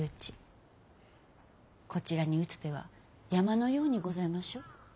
こちらに打つ手は山のようにございましょう。